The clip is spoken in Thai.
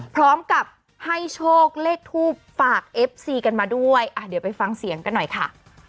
พร้อมกับให้โชคเลขทูปฝากเอฟซีกันมาด้วยอ่ะเดี๋ยวไปฟังเสียงกันหน่อยค่ะ